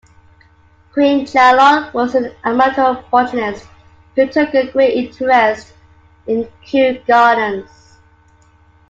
Queen Charlotte was an amateur botanist who took a great interest in Kew Gardens.